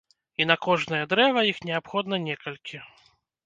І на кожнае дрэва іх неабходна некалькі.